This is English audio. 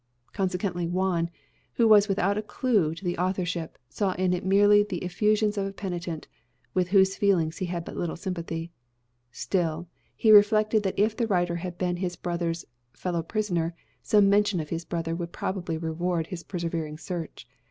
Consequently Juan, who was without a clue to the authorship, saw in it merely the effusions of a penitent, with whose feelings he had but little sympathy. Still, he reflected that if the writer had been his brother's fellow prisoner, some mention of his brother would probably reward his persevering search.